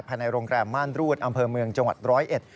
ภายในโรงแกรมม่านรูดอำเภอเมืองจังหวัด๑๐๑